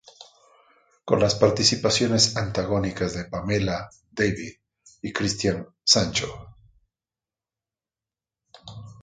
Con las participaciones antagónicas de Pamela David y Christian Sancho.